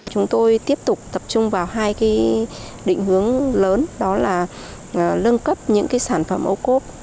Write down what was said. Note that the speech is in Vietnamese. chúng tôi tiếp tục tập trung vào hai định hướng lớn đó là lương cấp những sản phẩm ocop